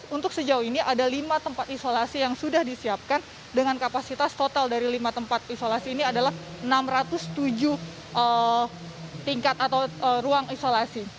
untuk sejauh ini ada lima tempat isolasi yang sudah disiapkan dengan kapasitas total dari lima tempat isolasi ini adalah enam ratus tujuh tingkat atau ruang isolasi